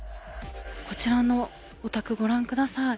こちらのお宅、ご覧ください。